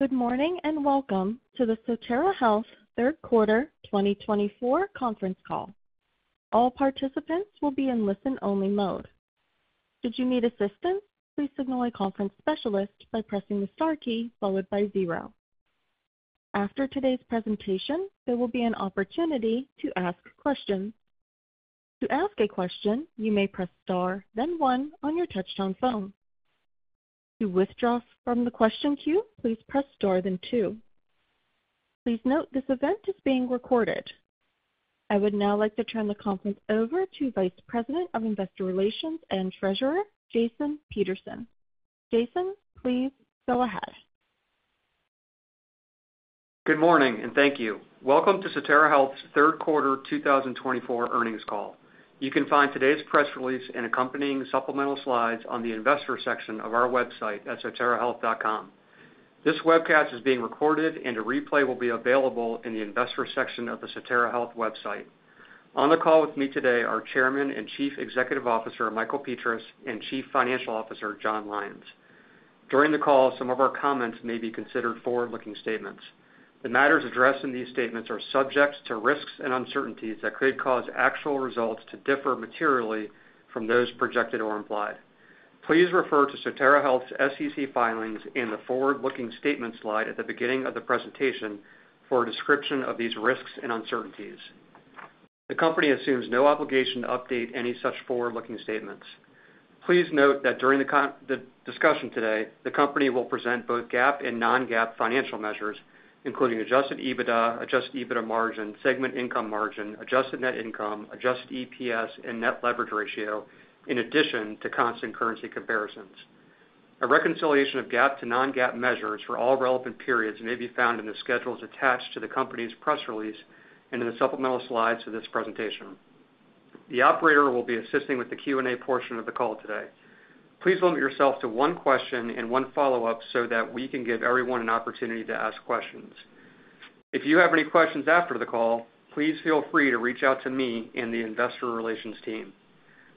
Good morning and welcome to the Sotera Health third quarter 2024 conference call. All participants will be in listen-only mode. Should you need assistance, please signal a conference specialist by pressing the star key followed by zero. After today's presentation, there will be an opportunity to ask questions. To ask a question, you may press star, then one on your touch-tone phone. To withdraw from the question queue, please press star, then two. Please note this event is being recorded. I would now like to turn the conference over to Vice President of Investor Relations and Treasurer, Jason Peterson. Jason, please go ahead. Good morning and thank you. Welcome to Sotera Health's third quarter 2024 earnings call. You can find today's press release and accompanying supplemental slides on the investor section of our website at soterahealth.com. This webcast is being recorded and a replay will be available in the investor section of the Sotera Health website. On the call with me today are Chairman and Chief Executive Officer Michael Petras and Chief Financial Officer Jon Lyons. During the call, some of our comments may be considered forward-looking statements. The matters addressed in these statements are subject to risks and uncertainties that could cause actual results to differ materially from those projected or implied. Please refer to Sotera Health's SEC filings and the forward-looking statement slide at the beginning of the presentation for a description of these risks and uncertainties. The company assumes no obligation to update any such forward-looking statements. Please note that during the discussion today, the company will present both GAAP and non-GAAP financial measures, including adjusted EBITDA, adjusted EBITDA margin, segment income margin, adjusted net income, adjusted EPS, and net leverage ratio, in addition to constant currency comparisons. A reconciliation of GAAP to non-GAAP measures for all relevant periods may be found in the schedules attached to the company's press release and in the supplemental slides to this presentation. The operator will be assisting with the Q&A portion of the call today. Please limit yourself to one question and one follow-up so that we can give everyone an opportunity to ask questions. If you have any questions after the call, please feel free to reach out to me and the investor relations team.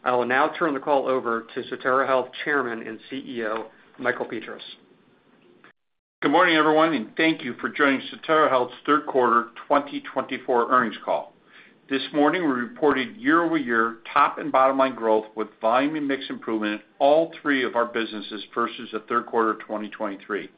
I will now turn the call over to Sotera Health Chairman and CEO Michael Petras. Good morning, everyone, and thank you for joining Sotera Health's third quarter 2024 earnings call. This morning, we reported year-over-year top- and bottom-line growth with volume and mix improvement in all three of our businesses versus the third quarter of 2023.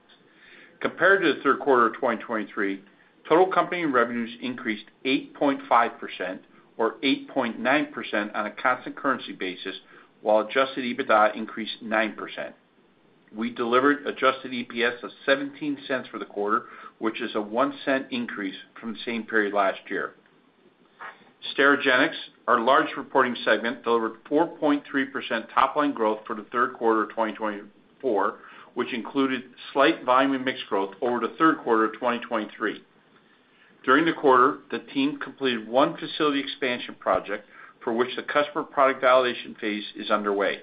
Compared to the third quarter of 2023, total company revenues increased 8.5% or 8.9% on a constant currency basis, while Adjusted EBITDA increased 9%. We delivered Adjusted EPS of $0.17 for the quarter, which is a $0.01 increase from the same period last year. Sterigenics, our large reporting segment, delivered 4.3% top-line growth for the third quarter of 2024, which included slight volume and mix growth over the third quarter of 2023. During the quarter, the team completed one facility expansion project for which the customer product validation phase is underway.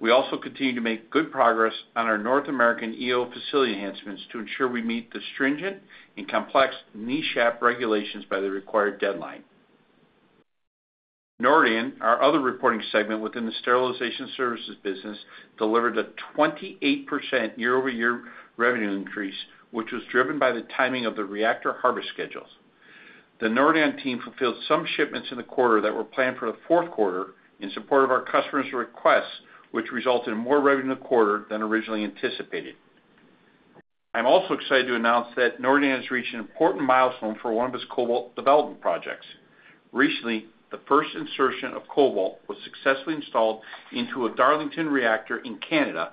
We also continue to make good progress on our North American EO facility enhancements to ensure we meet the stringent and complex NESHAP regulations by the required deadline. Nordion, our other reporting segment within the sterilization services business, delivered a 28% year-over-year revenue increase, which was driven by the timing of the reactor harvest schedules. The Nordion team fulfilled some shipments in the quarter that were planned for the fourth quarter in support of our customers' requests, which resulted in more revenue in the quarter than originally anticipated. I'm also excited to announce that Nordion has reached an important milestone for one of its cobalt development projects. Recently, the first insertion of cobalt was successfully installed into a Darlington reactor in Canada,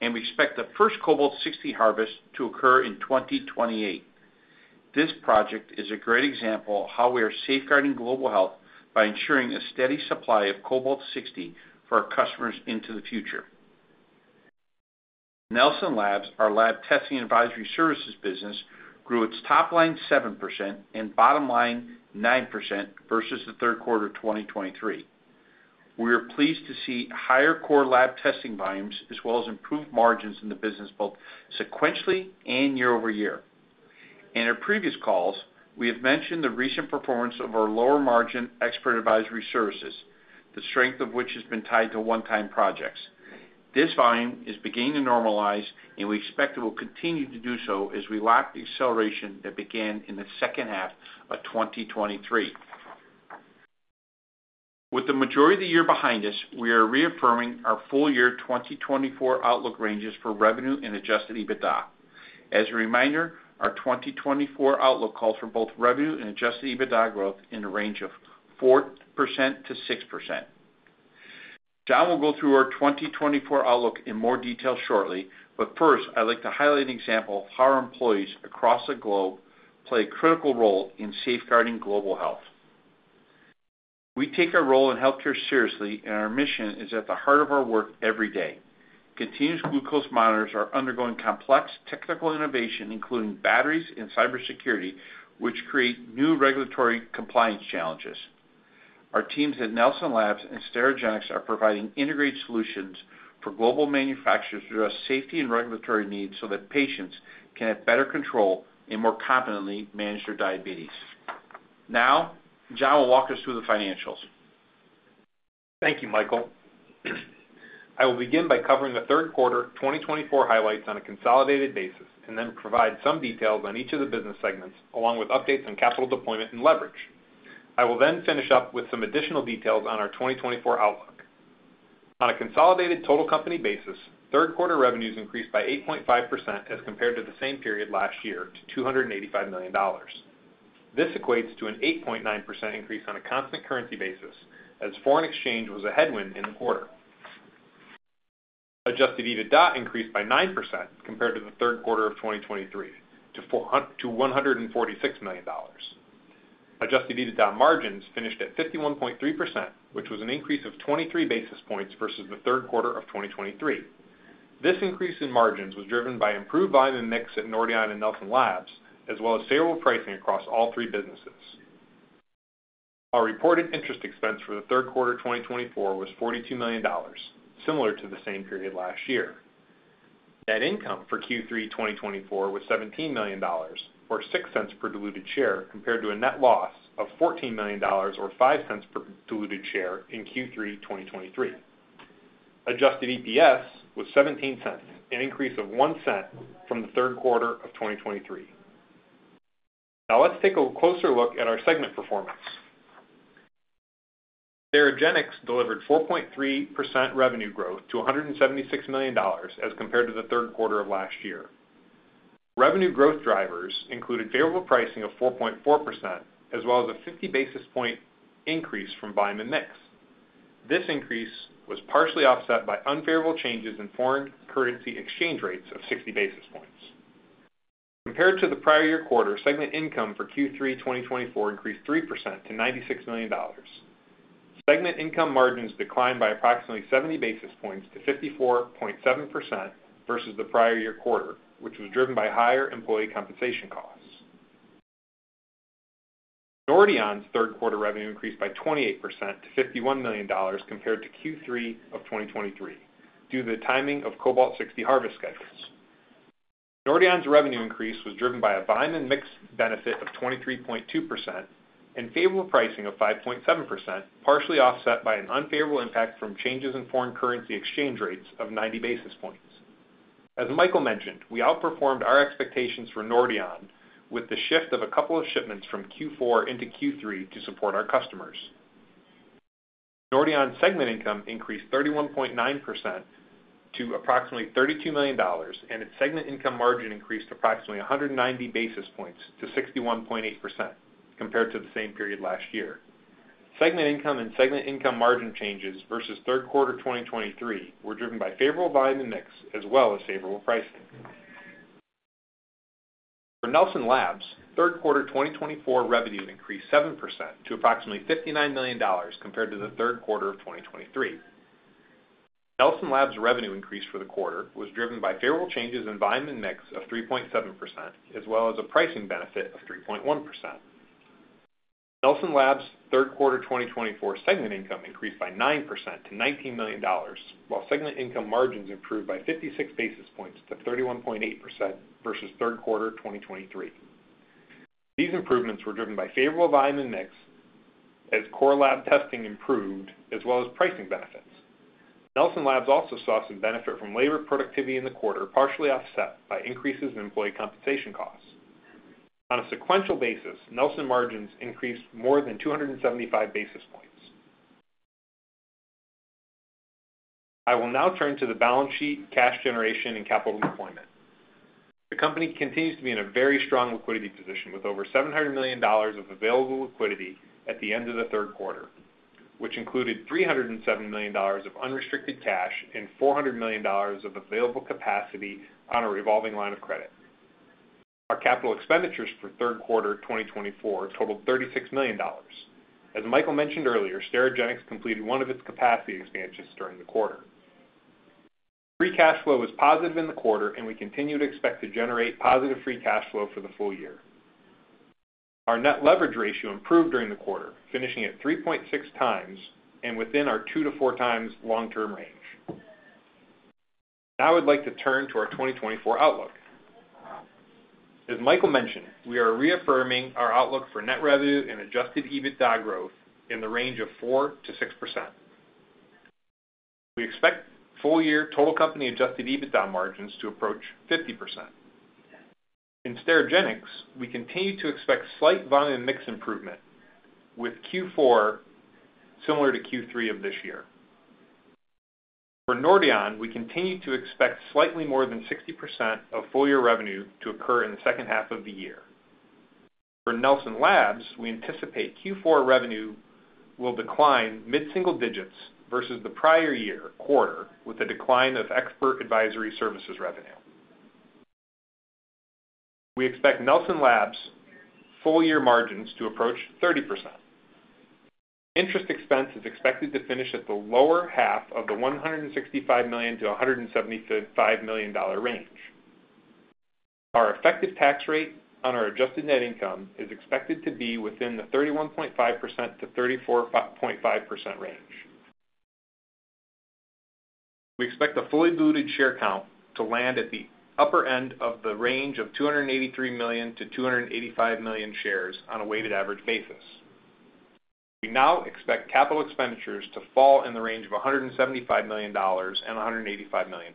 and we expect the first cobalt-60 harvest to occur in 2028. This project is a great example of how we are safeguarding global health by ensuring a steady supply of cobalt-60 for our customers into the future. Nelson Labs, our lab testing advisory services business, grew its top line 7% and bottom line 9% versus the third quarter of 2023. We are pleased to see higher core lab testing volumes as well as improved margins in the business both sequentially and year-over-year. In our previous calls, we have mentioned the recent performance of our lower margin Expert Advisory Services, the strength of which has been tied to one-time projects. This volume is beginning to normalize, and we expect it will continue to do so as we lap the acceleration that began in the second half of 2023. With the majority of the year behind us, we are reaffirming our full year 2024 outlook ranges for revenue and Adjusted EBITDA. As a reminder, our 2024 outlook calls for both revenue and Adjusted EBITDA growth in the range of 4%-6%. Jon will go through our 2024 outlook in more detail shortly, but first, I'd like to highlight an example of how our employees across the globe play a critical role in safeguarding global health. We take our role in healthcare seriously, and our mission is at the heart of our work every day. Continuous glucose monitors are undergoing complex technical innovation, including batteries and cybersecurity, which create new regulatory compliance challenges. Our teams at Nelson Labs and Sterigenics are providing integrated solutions for global manufacturers to address safety and regulatory needs so that patients can have better control and more competently manage their diabetes. Now, Jon will walk us through the financials. Thank you, Michael. I will begin by covering the third quarter 2024 highlights on a consolidated basis and then provide some details on each of the business segments along with updates on capital deployment and leverage. I will then finish up with some additional details on our 2024 outlook. On a consolidated total company basis, third quarter revenues increased by 8.5% as compared to the same period last year to $285 million. This equates to an 8.9% increase on a constant currency basis as foreign exchange was a headwind in the quarter. Adjusted EBITDA increased by 9% compared to the third quarter of 2023 to $146 million. Adjusted EBITDA margins finished at 51.3%, which was an increase of 23 basis points versus the third quarter of 2023. This increase in margins was driven by improved volume and mix at Nordion and Nelson Labs, as well as favorable pricing across all three businesses. Our reported interest expense for the third quarter 2024 was $42 million, similar to the same period last year. Net income for Q3 2024 was $17 million, or 6 cents per diluted share, compared to a net loss of $14 million, or 5 cents per diluted share in Q3 2023. Adjusted EPS was 17 cents, an increase of 1 cent from the third quarter of 2023. Now, let's take a closer look at our segment performance. Sterigenics delivered 4.3% revenue growth to $176 million as compared to the third quarter of last year. Revenue growth drivers included favorable pricing of 4.4%, as well as a 50 basis points increase from volume and mix. This increase was partially offset by unfavorable changes in foreign currency exchange rates of 60 basis points. Compared to the prior year quarter, segment income for Q3 2024 increased 3% to $96 million. Segment income margins declined by approximately 70 basis points to 54.7% versus the prior year quarter, which was driven by higher employee compensation costs. Nordion's third quarter revenue increased by 28% to $51 million compared to Q3 of 2023 due to the timing of cobalt-60 harvest schedules. Nordion's revenue increase was driven by a volume and mix benefit of 23.2% and favorable pricing of 5.7%, partially offset by an unfavorable impact from changes in foreign currency exchange rates of 90 basis points. As Michael mentioned, we outperformed our expectations for Nordion with the shift of a couple of shipments from Q4 into Q3 to support our customers. Nordion's segment income increased 31.9% to approximately $32 million, and its segment income margin increased approximately 190 basis points to 61.8% compared to the same period last year. Segment income and segment income margin changes versus third quarter 2023 were driven by favorable volume and mix as well as favorable pricing. For Nelson Labs, third quarter 2024 revenue increased 7% to approximately $59 million compared to the third quarter of 2023. Nelson Labs' revenue increase for the quarter was driven by favorable changes in volume and mix of 3.7%, as well as a pricing benefit of 3.1%. Nelson Labs' third quarter 2024 segment income increased by 9% to $19 million, while segment income margins improved by 56 basis points to 31.8% versus third quarter 2023. These improvements were driven by favorable volume and mix as core lab testing improved, as well as pricing benefits. Nelson Labs also saw some benefit from labor productivity in the quarter, partially offset by increases in employee compensation costs. On a sequential basis, Nelson margins increased more than 275 basis points. I will now turn to the balance sheet, cash generation, and capital deployment. The company continues to be in a very strong liquidity position with over $700 million of available liquidity at the end of the third quarter, which included $307 million of unrestricted cash and $400 million of available capacity on a revolving line of credit. Our capital expenditures for third quarter 2024 totaled $36 million. As Michael mentioned earlier, Sterigenics completed one of its capacity expansions during the quarter. Free cash flow was positive in the quarter, and we continue to expect to generate positive free cash flow for the full year. Our net leverage ratio improved during the quarter, finishing at 3.6 times and within our 2 to 4 times long-term range. Now, I would like to turn to our 2024 outlook. As Michael mentioned, we are reaffirming our outlook for net revenue and Adjusted EBITDA growth in the range of 4% to 6%. We expect full year total company Adjusted EBITDA margins to approach 50%. In Sterigenics, we continue to expect slight volume and mix improvement with Q4 similar to Q3 of this year. For Nordion, we continue to expect slightly more than 60% of full year revenue to occur in the second half of the year. For Nelson Labs, we anticipate Q4 revenue will decline mid-single digits versus the prior year quarter with a decline of Expert Advisory Services revenue. We expect Nelson Labs' full year margins to approach 30%. Interest expense is expected to finish at the lower half of the $165 million-$175 million range. Our effective tax rate on our adjusted net income is expected to be within the 31.5%-34.5% range. We expect the fully diluted share count to land at the upper end of the range of 283 million-285 million shares on a weighted average basis. We now expect capital expenditures to fall in the range of $175 million and $185 million.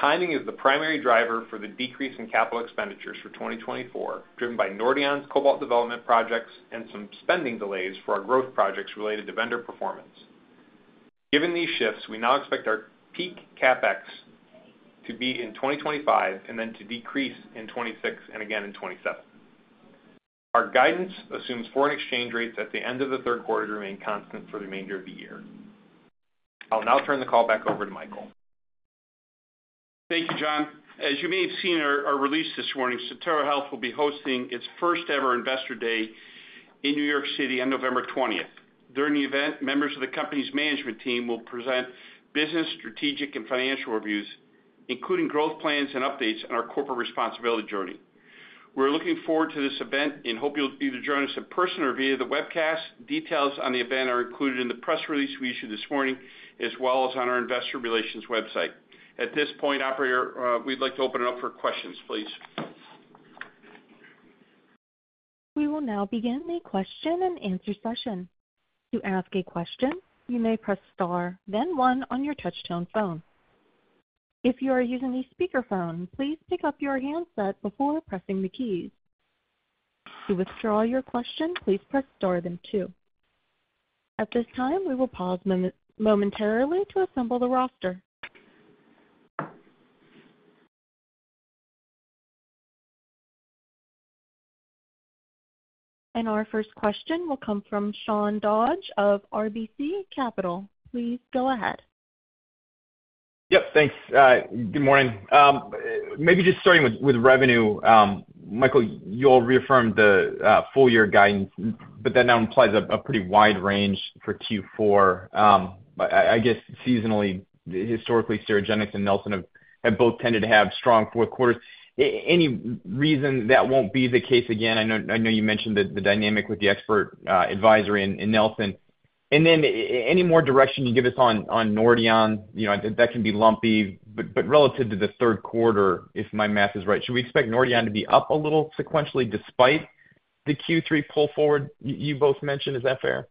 Timing is the primary driver for the decrease in capital expenditures for 2024, driven by Nordion's cobalt development projects and some spending delays for our growth projects related to vendor performance. Given these shifts, we now expect our peak CapEx to be in 2025 and then to decrease in 2026 and again in 2027. Our guidance assumes foreign exchange rates at the end of the third quarter to remain constant for the remainder of the year. I'll now turn the call back over to Michael. Thank you, Jon. As you may have seen in our release this morning, Sotera Health will be hosting its first-ever investor day in New York City on November 20th. During the event, members of the company's management team will present business, strategic, and financial reviews, including growth plans and updates on our corporate responsibility journey. We're looking forward to this event and hope you'll either join us in person or via the webcast. Details on the event are included in the press release we issued this morning, as well as on our investor relations website. At this point, operator, we'd like to open it up for questions, please. We will now begin the question and answer session. To ask a question, you may press star, then one on your touch-tone phone. If you are using a speakerphone, please pick up your handset before pressing the keys. To withdraw your question, please press star then two. At this time, we will pause momentarily to assemble the roster, and our first question will come from Sean Dodge of RBC Capital. Please go ahead. Yep, thanks. Good morning. Maybe just starting with revenue, Michael, you all reaffirmed the full year guidance, but that now implies a pretty wide range for Q4. I guess seasonally, historically, Sterigenics and Nelson have both tended to have strong fourth quarters. Any reason that won't be the case again? I know you mentioned the dynamic with the expert advisory in Nelson. And then any more direction you give us on Nordion, that can be lumpy, but relative to the third quarter, if my math is right, should we expect Nordion to be up a little sequentially despite the Q3 pull forward you both mentioned? Is that fair?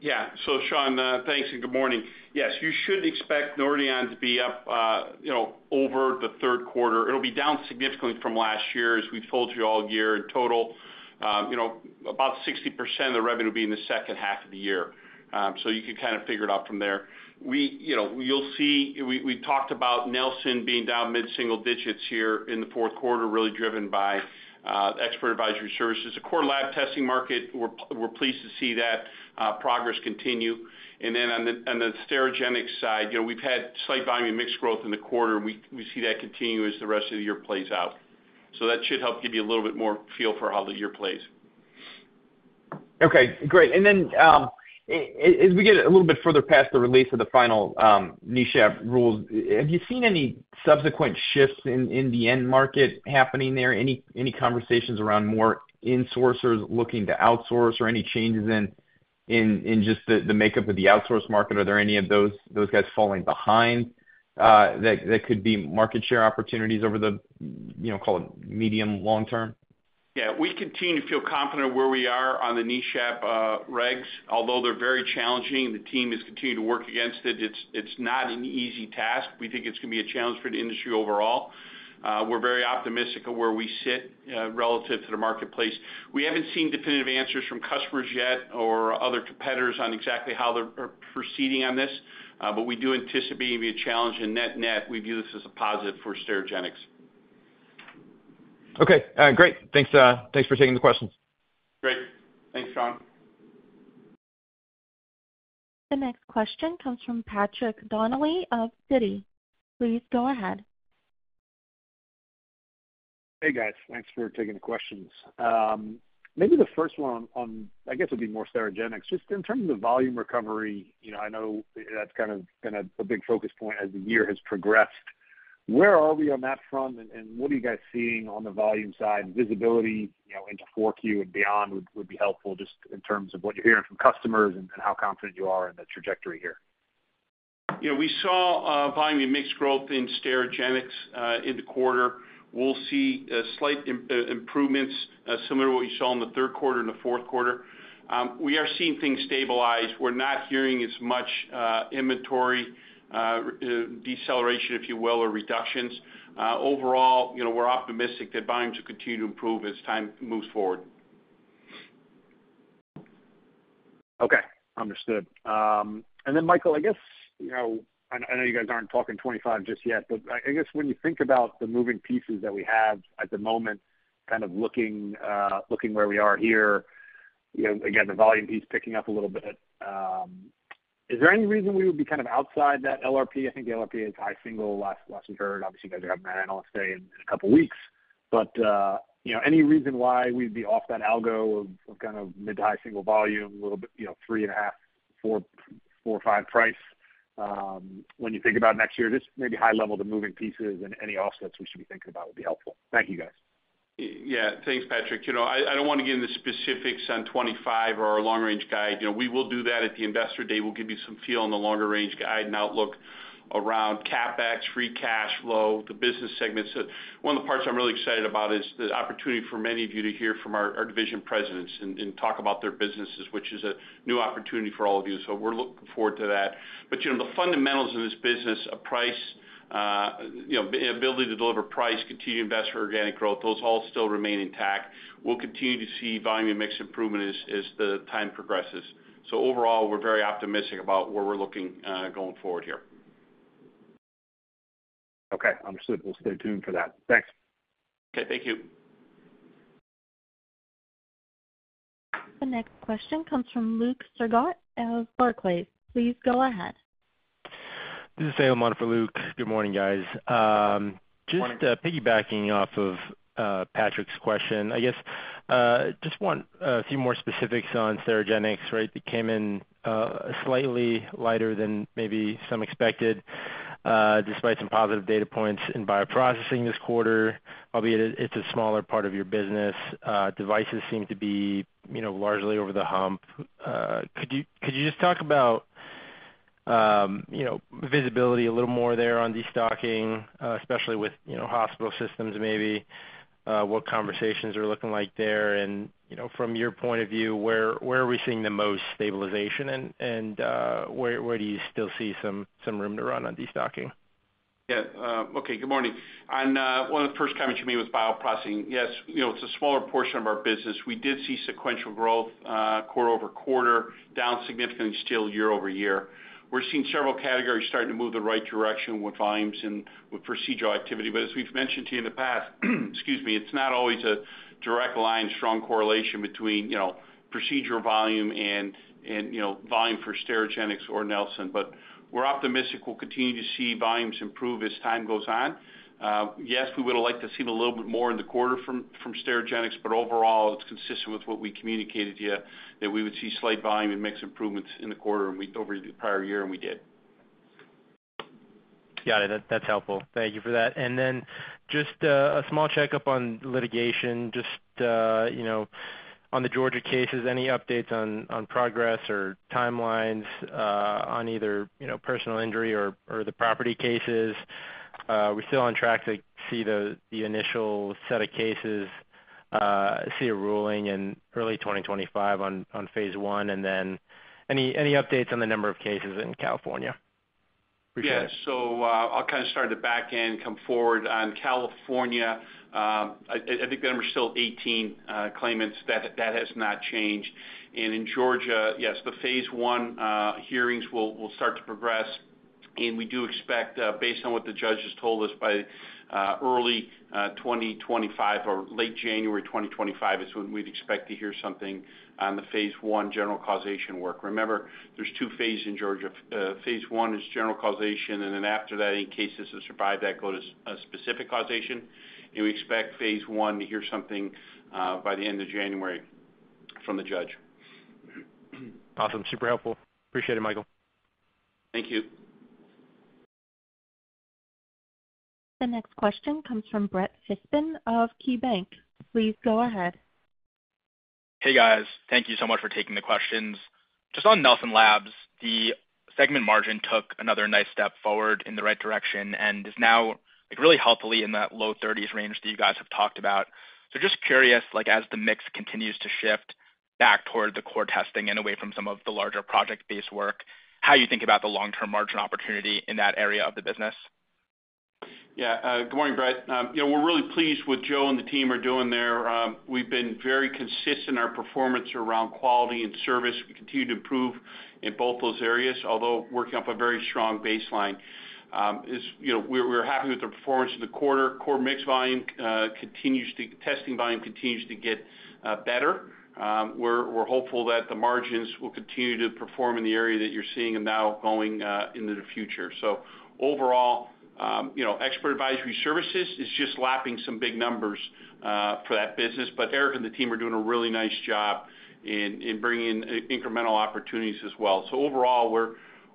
Yeah. So, Sean, thanks and good morning. Yes, you should expect Nordion to be up over the third quarter. It'll be down significantly from last year, as we've told you all year. In total, about 60% of the revenue will be in the second half of the year. So you can kind of figure it out from there. You'll see we talked about Nelson being down mid-single digits here in the fourth quarter, really driven by Expert Advisory Services. The core lab testing market, we're pleased to see that progress continue. And then on the Sterigenics side, we've had slight volume and mix growth in the quarter. We see that continue as the rest of the year plays out. So that should help give you a little bit more feel for how the year plays. Okay, great. And then as we get a little bit further past the release of the final NESHAP rules, have you seen any subsequent shifts in the end market happening there? Any conversations around more insourcers looking to outsource or any changes in just the makeup of the outsource market? Are there any of those guys falling behind that could be market share opportunities over the, call it, medium long term? Yeah, we continue to feel confident where we are on the NESHAP regs. Although they're very challenging, the team has continued to work against it. It's not an easy task. We think it's going to be a challenge for the industry overall. We're very optimistic of where we sit relative to the marketplace. We haven't seen definitive answers from customers yet or other competitors on exactly how they're proceeding on this, but we do anticipate it will be a challenge and net-net, we view this as a positive for Sterigenics. Okay, great. Thanks for taking the questions. Great. Thanks, Sean. The next question comes from Patrick Donnelly of Citi. Please go ahead. Hey, guys. Thanks for taking the questions. Maybe the first one on, I guess, would be more Sterigenics. Just in terms of volume recovery, I know that's kind of been a big focus point as the year has progressed. Where are we on that front, and what are you guys seeing on the volume side? Visibility into 4Q and beyond would be helpful just in terms of what you're hearing from customers and how confident you are in the trajectory here. Yeah, we saw volume and mix growth in Sterigenics in the quarter. We'll see slight improvements similar to what you saw in the third quarter and the fourth quarter. We are seeing things stabilize. We're not hearing as much inventory deceleration, if you will, or reductions. Overall, we're optimistic that volumes will continue to improve as time moves forward. Okay, understood. And then, Michael, I guess I know you guys aren't talking 25 just yet, but I guess when you think about the moving pieces that we have at the moment, kind of looking where we are here, again, the volume piece picking up a little bit, is there any reason we would be kind of outside that LRP? I think the LRP is high single last we heard. Obviously, you guys are having that analyst day in a couple of weeks. But any reason why we'd be off that algo of kind of mid to high single volume, a little bit three and a half, four or five price when you think about next year? Just maybe high level of the moving pieces and any offsets we should be thinking about would be helpful. Thank you, guys. Yeah, thanks, Patrick. I don't want to get into specifics on 25 or our long-range guide. We will do that at the investor day. We'll give you some feel on the longer range guide and outlook around CapEx, free cash flow, the business segments. One of the parts I'm really excited about is the opportunity for many of you to hear from our division presidents and talk about their businesses, which is a new opportunity for all of you. So we're looking forward to that. But the fundamentals in this business, ability to deliver price, continue to invest for organic growth, those all still remain intact. We'll continue to see volume and mix improvement as the time progresses. So overall, we're very optimistic about where we're looking going forward here. Okay, understood. We'll stay tuned for that. Thanks. Okay, thank you. The next question comes from Luke Sergott of Barclays. Please go ahead. This is Seamus on for Luke. Good morning, guys. Just piggybacking off of Patrick's question, I guess just want a few more specifics on Sterigenics, right? It came in slightly lighter than maybe some expected despite some positive data points in bioprocessing this quarter, albeit it's a smaller part of your business. Devices seem to be largely over the hump. Could you just talk about visibility a little more there on destocking, especially with hospital systems maybe? What conversations are looking like there? And from your point of view, where are we seeing the most stabilization, and where do you still see some room to run on destocking? Yeah. Okay, good morning. One of the first comments you made was bioprocessing. Yes, it's a smaller portion of our business. We did see sequential growth quarter over quarter, down significantly still year over year. We're seeing several categories starting to move the right direction with volumes and with procedural activity. But as we've mentioned to you in the past, excuse me, it's not always a direct line and strong correlation between procedural volume and volume for Sterigenics or Nelson. But we're optimistic we'll continue to see volumes improve as time goes on. Yes, we would have liked to see a little bit more in the quarter from Sterigenics, but overall, it's consistent with what we communicated to you that we would see slight volume and mix improvements in the quarter over the prior year, and we did. Got it. That's helpful. Thank you for that. And then just a small checkup on litigation, just on the Georgia cases, any updates on progress or timelines on either personal injury or the property cases? We're still on track to see the initial set of cases, see a ruling in early 2025 on phase one. And then any updates on the number of cases in California? Yeah, so I'll kind of start at the back end, come forward. On California, I think the number is still 18 claimants. That has not changed. And in Georgia, yes, the Phase One hearings will start to progress. And we do expect, based on what the judge has told us, by early 2025 or late January 2025 is when we'd expect to hear something on the Phase One General Causation work. Remember, there's two phases in Georgia. Phase One is General Causation, and then after that, any cases that survive that go to Specific Causation. And we expect Phase One to hear something by the end of January from the judge. Awesome. Super helpful. Appreciate it, Michael. Thank you. The next question comes from Brett Fishbin of KeyBanc. Please go ahead. Hey, guys. Thank you so much for taking the questions. Just on Nelson Labs, the segment margin took another nice step forward in the right direction and is now really healthily in that low 30s range that you guys have talked about. So just curious, as the mix continues to shift back toward the core testing and away from some of the larger project-based work, how do you think about the long-term margin opportunity in that area of the business? Yeah. Good morning, Brett. We're really pleased with Joe and the team are doing there. We've been very consistent in our performance around quality and service. We continue to improve in both those areas, although working off a very strong baseline. We're happy with the performance in the quarter. Core mix volume continues to testing volume continues to get better. We're hopeful that the margins will continue to perform in the area that you're seeing and now going into the future. So overall, Expert Advisory Services is just lapping some big numbers for that business. But Eric and the team are doing a really nice job in bringing in incremental opportunities as well. So overall,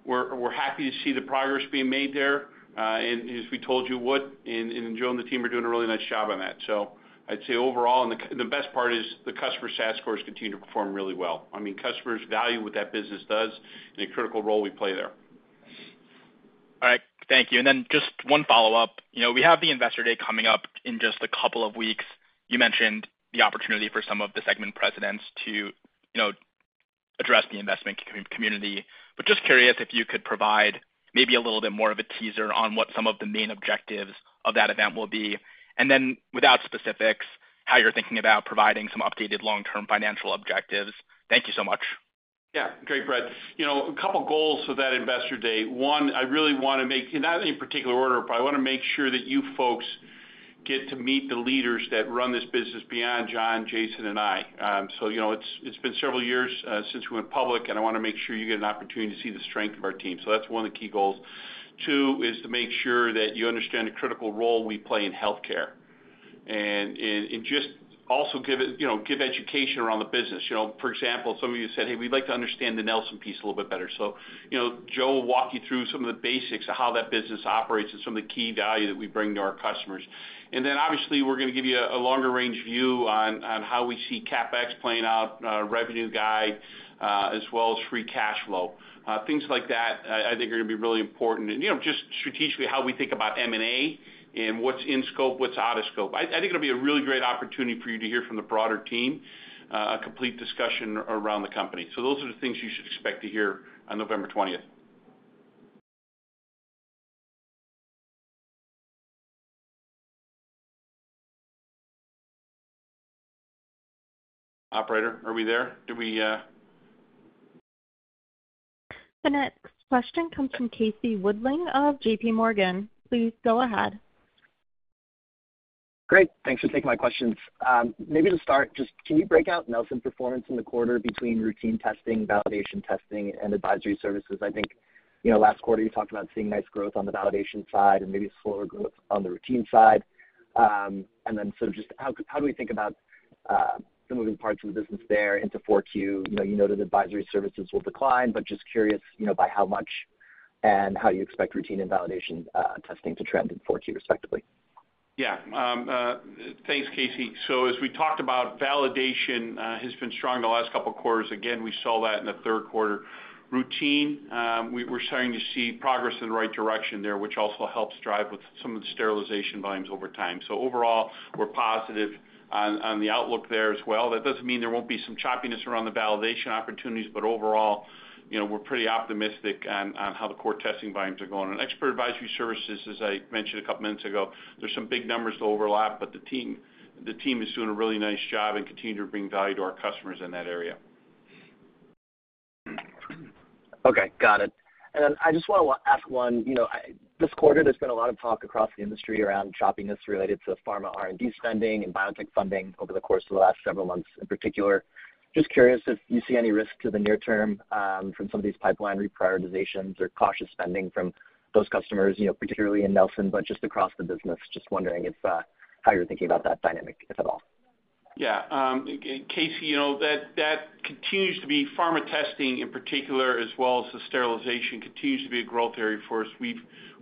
we're happy to see the progress being made there. And as we told you, Wood and Joe and the team are doing a really nice job on that. So I'd say overall, and the best part is the customer satisfaction scores continue to perform really well. I mean, customers value what that business does and the critical role we play there. All right. Thank you. And then just one follow-up. We have the investor day coming up in just a couple of weeks. You mentioned the opportunity for some of the segment presidents to address the investment community. But just curious if you could provide maybe a little bit more of a teaser on what some of the main objectives of that event will be. And then without specifics, how you're thinking about providing some updated long-term financial objectives. Thank you so much. Yeah, great, Brett. A couple of goals for that investor day. One, I really want to make, not in particular order, but I want to make sure that you folks get to meet the leaders that run this business beyond Jon, Jason, and I. So it's been several years since we went public, and I want to make sure you get an opportunity to see the strength of our team. So that's one of the key goals. Two is to make sure that you understand the critical role we play in healthcare and just also give education around the business. For example, some of you said, "Hey, we'd like to understand the Nelson piece a little bit better." So Joe will walk you through some of the basics of how that business operates and some of the key value that we bring to our customers. And then obviously, we're going to give you a longer range view on how we see CapEx playing out, revenue guide, as well as free cash flow. Things like that, I think, are going to be really important. And just strategically, how we think about M&A and what's in scope, what's out of scope. I think it'll be a really great opportunity for you to hear from the broader team, a complete discussion around the company. So those are the things you should expect to hear on November 20th. Operator, are we there? The next question comes from Casey Woodling of J.P. Morgan. Please go ahead. Great. Thanks for taking my questions. Maybe to start, just can you break out Nelson performance in the quarter between routine testing, validation testing, and advisory services? I think last quarter, you talked about seeing nice growth on the validation side and maybe slower growth on the routine side, and then so just how do we think about the moving parts of the business there into 4Q? You noted advisory services will decline, but just curious by how much and how you expect routine and validation testing to trend in 4Q respectively. Yeah. Thanks, Casey. So as we talked about, validation has been strong the last couple of quarters. Again, we saw that in the third quarter. Routine, we're starting to see progress in the right direction there, which also helps drive with some of the sterilization volumes over time. So overall, we're positive on the outlook there as well. That doesn't mean there won't be some choppiness around the validation opportunities, but overall, we're pretty optimistic on how the core testing volumes are going. And Expert Advisory Services, as I mentioned a couple of minutes ago, there's some big numbers to overlap, but the team is doing a really nice job and continuing to bring value to our customers in that area. Okay, got it, and then I just want to ask one. This quarter, there's been a lot of talk across the industry around choppiness related to pharma R&D spending and biotech funding over the course of the last several months in particular. Just curious if you see any risk to the near term from some of these pipeline reprioritizations or cautious spending from those customers, particularly in Nelson, but just across the business. Just wondering how you're thinking about that dynamic, if at all. Yeah. Casey, that continues to be pharma testing in particular, as well as the sterilization, continues to be a growth area for us.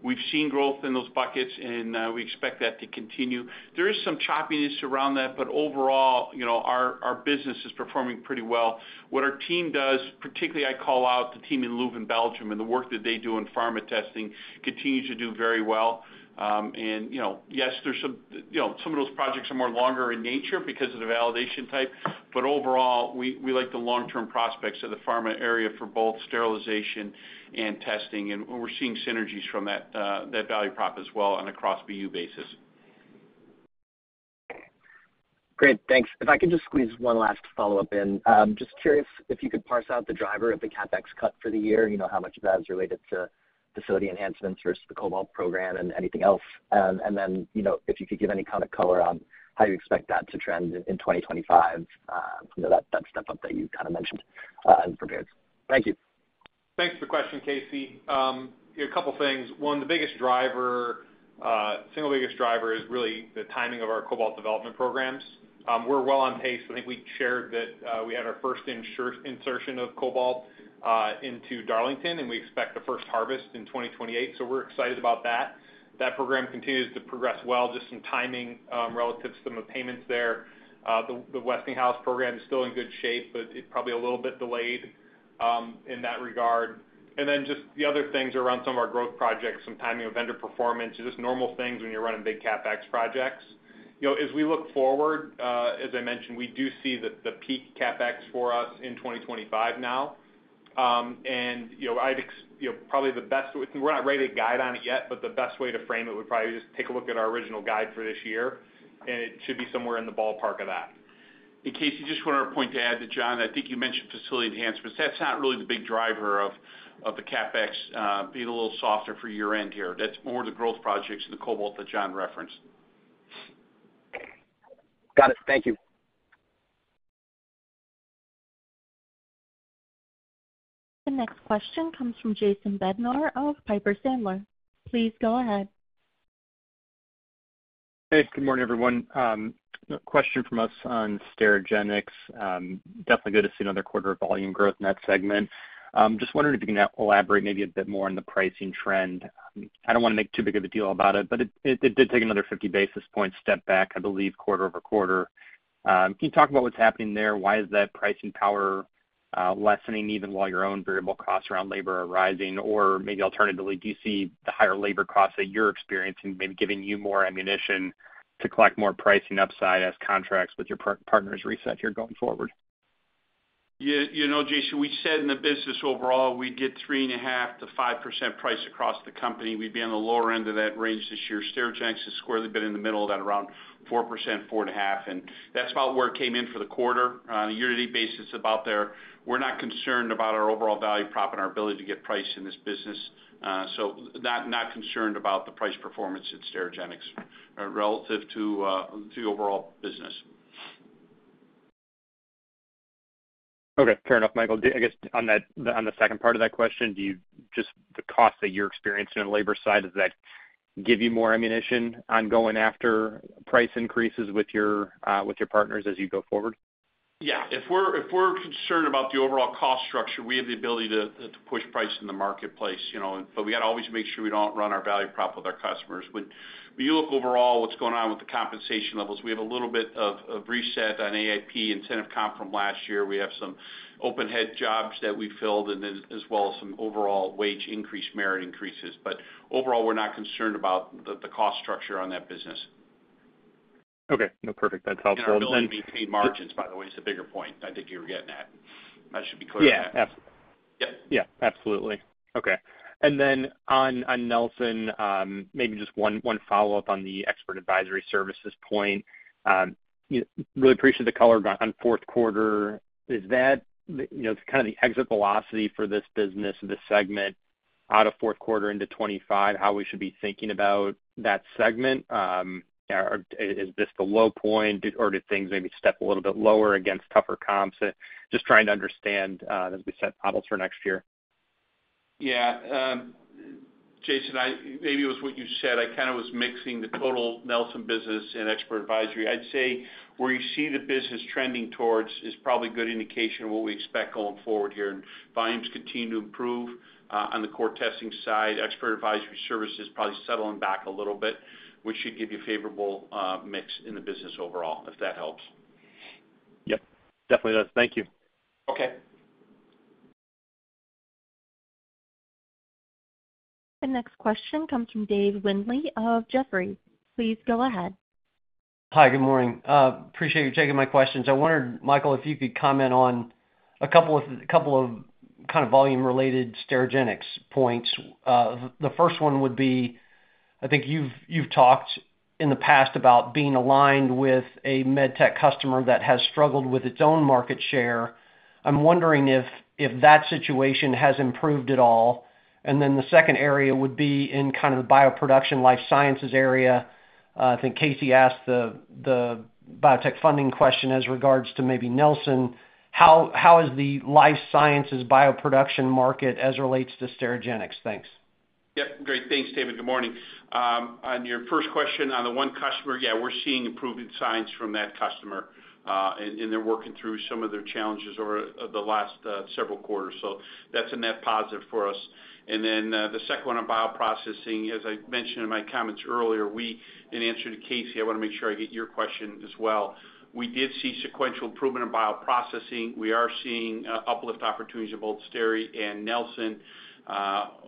We've seen growth in those buckets, and we expect that to continue. There is some choppiness around that, but overall, our business is performing pretty well. What our team does, particularly, I call out the team in Leuven, Belgium and the work that they do in pharma testing, continues to do very well. And yes, some of those projects are more longer in nature because of the validation type, but overall, we like the long-term prospects of the pharma area for both sterilization and testing. And we're seeing synergies from that value prop as well on a cross-view basis. Great. Thanks. If I could just squeeze one last follow-up in, just curious if you could parse out the driver of the CapEx cut for the year, how much of that is related to facility enhancements versus the Cobalt program and anything else. And then if you could give any kind of color on how you expect that to trend in 2025, that step up that you kind of mentioned as prepared. Thank you. Thanks for the question, Casey. A couple of things. One, the biggest driver, single biggest driver, is really the timing of our Cobalt development programs. We're well on pace. I think we shared that we had our first insertion of Cobalt into Darlington, and we expect the first harvest in 2028. So we're excited about that. That program continues to progress well, just some timing relative to some of the payments there. The Westinghouse program is still in good shape, but it's probably a little bit delayed in that regard. And then just the other things around some of our growth projects, some timing of vendor performance, just normal things when you're running big CapEx projects. As we look forward, as I mentioned, we do see the peak CapEx for us in 2025 now. And probably the best, we're not ready to guide on it yet, but the best way to frame it would probably be just take a look at our original guide for this year, and it should be somewhere in the ballpark of that. In case you just want to point to add to Jon, I think you mentioned facility enhancements. That's not really the big driver of the CapEx being a little softer for year-end here. That's more the growth projects and the Cobalt that Jon referenced. Got it. Thank you. The next question comes from Jason Bednar of Piper Sandler. Please go ahead. Hey, good morning, everyone. Question from us on Sterigenics. Definitely good to see another quarter of volume growth in that segment. Just wondering if you can elaborate maybe a bit more on the pricing trend. I don't want to make too big of a deal about it, but it did take another 50 basis points step back, I believe, quarter over quarter. Can you talk about what's happening there? Why is that pricing power lessening even while your own variable costs around labor are rising? Or maybe alternatively, do you see the higher labor costs that you're experiencing maybe giving you more ammunition to collect more pricing upside as contracts with your partners reset here going forward? Yeah. Jason, we said in the business overall, we'd get 3.5%-5% price across the company. We'd be on the lower end of that range this year. Sterigenics is squarely been in the middle of that around 4%, 4.5%. And that's about where it came in for the quarter. On a year-to-date basis, it's about there. We're not concerned about our overall value prop and our ability to get priced in this business. So not concerned about the price performance at Sterigenics relative to the overall business. Okay. Fair enough, Michael. I guess on the second part of that question, just the cost that you're experiencing on the labor side, does that give you more ammunition on going after price increases with your partners as you go forward? Yeah. If we're concerned about the overall cost structure, we have the ability to push price in the marketplace. But we got to always make sure we don't run our value prop with our customers. When you look overall, what's going on with the compensation levels, we have a little bit of reset on AIP incentive comp from last year. We have some open-head jobs that we filled, as well as some overall wage increase, merit increases. But overall, we're not concerned about the cost structure on that business. Okay. Perfect. That's helpful. We're able to maintain margins, by the way, is the bigger point. I think you were getting that. That should be clear. Yeah. Absolutely. Okay. And then on Nelson, maybe just one follow-up on the Expert Advisory Services point. Really appreciate the color on fourth quarter. Is that kind of the exit velocity for this business, this segment out of fourth quarter into 2025, how we should be thinking about that segment? Is this the low point, or did things maybe step a little bit lower against tougher comps? Just trying to understand as we set models for next year. Yeah. Jason, maybe it was what you said. I kind of was mixing the total Nelson business and expert advisory. I'd say where you see the business trending toward is probably a good indication of what we expect going forward here. Volumes continue to improve on the core testing side. Expert Advisory Services probably settling back a little bit, which should give you a favorable mix in the business overall, if that helps. Yep. Definitely does. Thank you. Okay. The next question comes from Dave Windley of Jefferies. Please go ahead. Hi. Good morning. Appreciate you taking my questions. I wondered, Michael, if you could comment on a couple of kind of volume-related Sterigenics points. The first one would be, I think you've talked in the past about being aligned with a med tech customer that has struggled with its own market share. I'm wondering if that situation has improved at all. And then the second area would be in kind of the bioproduction life sciences area. I think Casey asked the biotech funding question as regards to maybe Nelson. How is the life sciences bioproduction market as it relates to Sterigenics? Thanks. Yep. Great. Thanks, Dave. Good morning. On your first question, on the one customer, yeah, we're seeing improving signs from that customer, and they're working through some of their challenges over the last several quarters. So that's a net positive for us. And then the second one on bioprocessing, as I mentioned in my comments earlier, in answer to Casey, I want to make sure I get your question as well. We did see sequential improvement in bioprocessing. We are seeing uplift opportunities in both Steri and Nelson.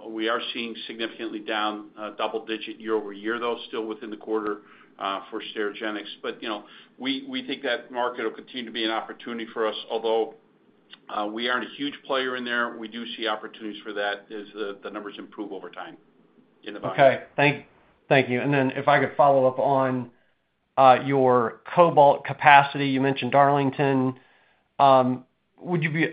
We are seeing significantly down double-digit year over year, though, still within the quarter for Sterigenics. But we think that market will continue to be an opportunity for us, although we aren't a huge player in there. We do see opportunities for that as the numbers improve over time in the value. Okay. Thank you. And then if I could follow up on your cobalt capacity, you mentioned Darlington. Would you be,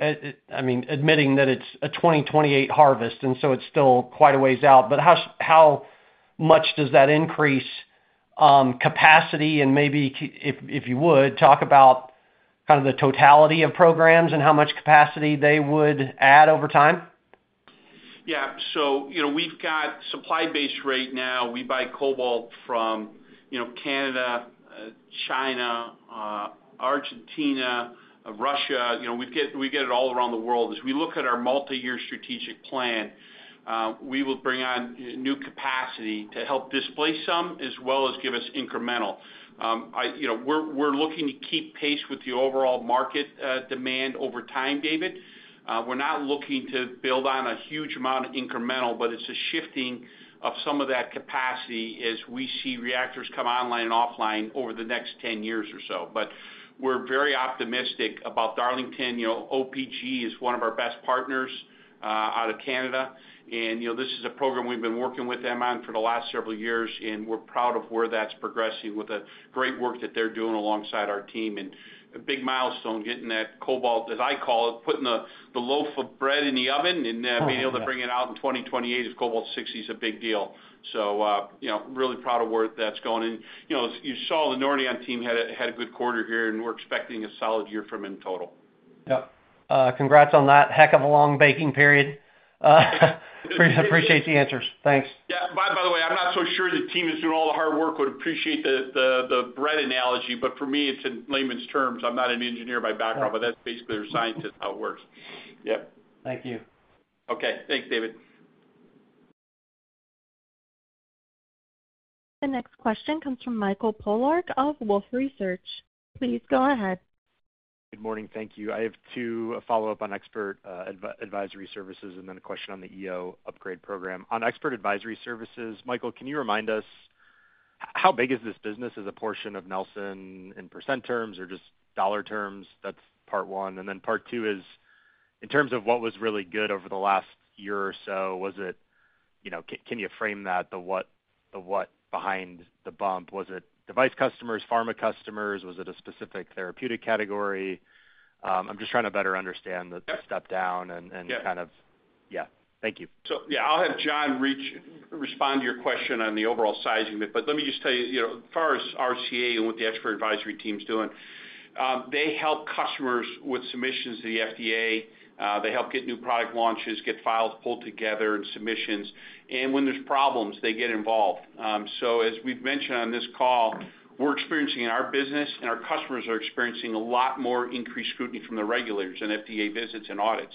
I mean, admitting that it's a 2028 harvest, and so it's still quite a ways out, but how much does that increase capacity? And maybe, if you would, talk about kind of the totality of programs and how much capacity they would add over time. Yeah. So we've got supply-based right now. We buy Cobalt-60 from Canada, China, Argentina, Russia. We get it all around the world. As we look at our multi-year strategic plan, we will bring on new capacity to help displace some as well as give us incremental. We're looking to keep pace with the overall market demand over time, David. We're not looking to build on a huge amount of incremental, but it's a shifting of some of that capacity as we see reactors come online and offline over the next 10 years or so. But we're very optimistic about Darlington. OPG is one of our best partners out of Canada. And this is a program we've been working with them on for the last several years, and we're proud of where that's progressing with the great work that they're doing alongside our team. And a big milestone getting that cobalt, as I call it, putting the loaf of bread in the oven and being able to bring it out in 2028. Cobalt-60 is a big deal. So really proud of where that's going. And you saw the Nordion team had a good quarter here, and we're expecting a solid year from them total. Yep. Congrats on that heck of a long baking period. Appreciate the answers. Thanks. Yeah. By the way, I'm not so sure the team is doing all the hard work. Would appreciate the bread analogy, but for me, it's in layman's terms. I'm not an engineer by background, but that's basically a scientist how it works. Yep. Thank you. Okay. Thanks, Dave. The next question comes from Michael Polark of Wolfe Research. Please go ahead. Good morning. Thank you. I have two follow-up on Expert Advisory Services and then a question on the EO upgrade program. On Expert Advisory Services, Michael, can you remind us how big is this business as a portion of Nelson in percent terms or just dollar terms? That's part one. And then part two is in terms of what was really good over the last year or so, can you frame that the what behind the bump? Was it device customers, pharma customers? Was it a specific therapeutic category? I'm just trying to better understand the step down and kind of. Yeah. Thank you. Yeah, I'll have Jon respond to your question on the overall sizing, but let me just tell you, as far as RCA and what the expert advisory team's doing, they help customers with submissions to the FDA. They help get new product launches, get files pulled together and submissions. And when there's problems, they get involved. As we've mentioned on this call, we're experiencing in our business, and our customers are experiencing a lot more increased scrutiny from the regulators and FDA visits and audits.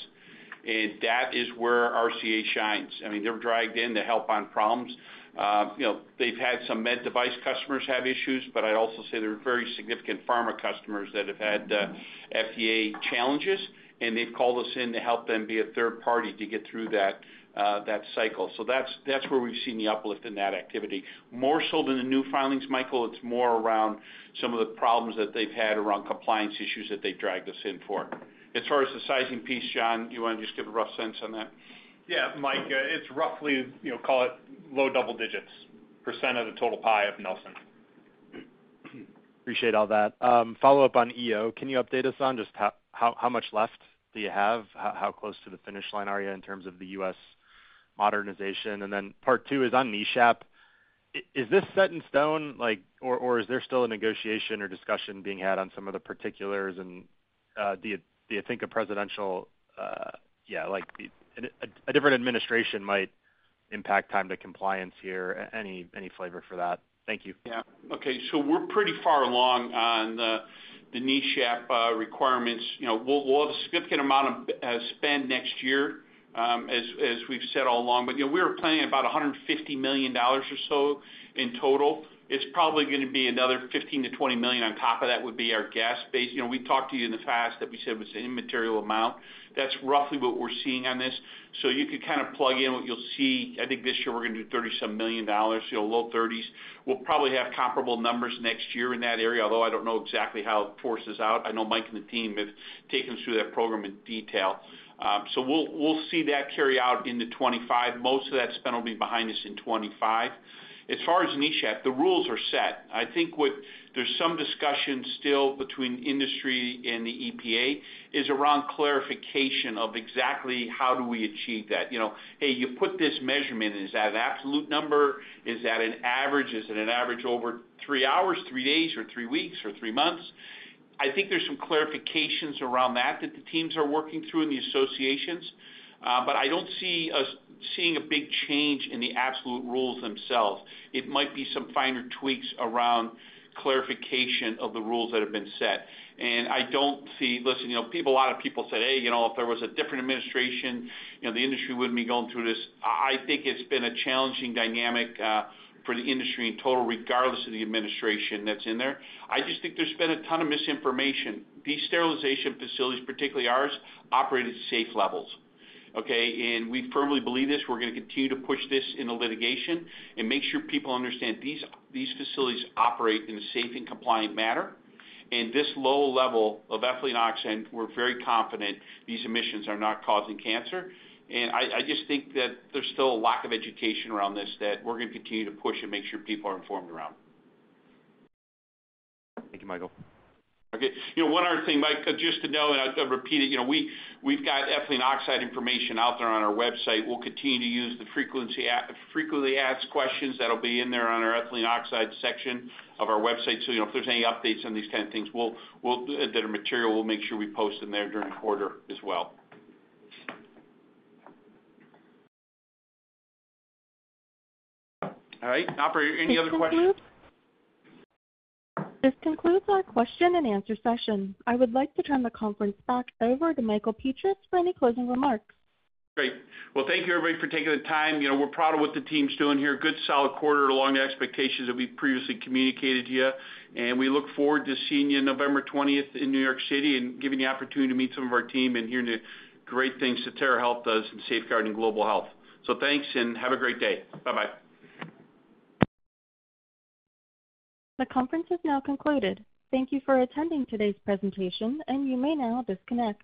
That is where RCA shines. I mean, they're dragged in to help on problems. They've had some med device customers have issues, but I'd also say there are very significant pharma customers that have had FDA challenges, and they've called us in to help them be a third party to get through that cycle. So that's where we've seen the uplift in that activity. More so than the new filings, Michael, it's more around some of the problems that they've had around compliance issues that they've dragged us in for. As far as the sizing piece, Jon, you want to just give a rough sense on that? Yeah, Mike, it's roughly, call it, low double digits % of the total pie of Nelson. Appreciate all that. Follow-up on EO. Can you update us on just how much left do you have? How close to the finish line are you in terms of the U.S. modernization? And then part two is on NESHAP. Is this set in stone, or is there still a negotiation or discussion being had on some of the particulars? And do you think a presidential, yeah, a different administration might impact time to compliance here? Any flavor for that? Thank you. Yeah. Okay. So we're pretty far along on the NESHAP requirements. We'll have a significant amount of spend next year, as we've said all along, but we were planning about $150 million or so in total. It's probably going to be another $15-$20 million on top of that, would be our gas phase. We talked to you in the past that we said was an immaterial amount. That's roughly what we're seeing on this. So you could kind of plug in what you'll see. I think this year we're going to do $30-some million, low 30s. We'll probably have comparable numbers next year in that area, although I don't know exactly how it forces out. I know Mike and the team have taken us through that program in detail. So we'll see that carry out in 2025. Most of that spend will be behind us in 2025. As far as NESHAP, the rules are set. I think there's some discussion still between industry and the EPA is around clarification of exactly how do we achieve that. Hey, you put this measurement, is that an absolute number? Is that an average? Is it an average over three hours, three days, or three weeks, or three months? I think there's some clarifications around that that the teams are working through in the associations, but I don't see us seeing a big change in the absolute rules themselves. It might be some finer tweaks around clarification of the rules that have been set. And I don't see, listen, a lot of people said, "Hey, if there was a different administration, the industry wouldn't be going through this." I think it's been a challenging dynamic for the industry in total, regardless of the administration that's in there. I just think there's been a ton of misinformation. These sterilization facilities, particularly ours, operate at safe levels. Okay? And we firmly believe this. We're going to continue to push this in the litigation and make sure people understand these facilities operate in a safe and compliant manner. And this low level of ethylene oxide, we're very confident these emissions are not causing cancer. And I just think that there's still a lack of education around this that we're going to continue to push and make sure people are informed around. Thank you, Michael. Okay. One other thing, Mike, just to know, and I'll repeat it. We've got ethylene oxide information out there on our website. We'll continue to use the frequently asked questions that'll be in there on our ethylene oxide section of our website. So if there's any updates on these kind of things, that are material, we'll make sure we post them there during the quarter as well. All right. Any other questions? This concludes our question and answer session. I would like to turn the conference back over to Michael Petras for any closing remarks. Great. Well, thank you, everybody, for taking the time. We're proud of what the team's doing here. Good solid quarter along the expectations that we previously communicated to you. And we look forward to seeing you on November 20th in New York City and giving you the opportunity to meet some of our team and hearing the great things that Sotera Health does in safeguarding global health. So thanks and have a great day. Bye-bye. The conference is now concluded. Thank you for attending today's presentation, and you may now disconnect.